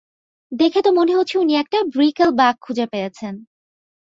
দেখে তো মনে হচ্ছে উনি একটা ব্রিকেলব্যাক খুঁজে পেয়েছেন।